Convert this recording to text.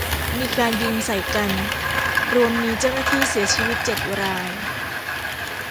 มีการยิงใส่กัน รวมมีเจ้าหน้าที่เสียชีวิตเจ็ดราย